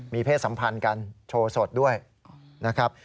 มีเพศสัมพันธ์กันโชว์สดด้วยนะครับ